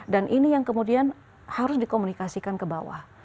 dan ini yang kemudian harus dikomunikasikan ke bawah